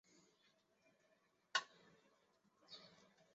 后来由单簧管手兼作曲家加以改良。